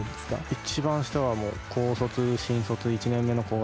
一番下は高卒新卒１年目の子が。